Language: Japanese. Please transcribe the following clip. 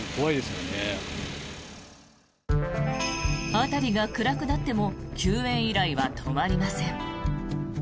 辺りが暗くなっても救援依頼は止まりません。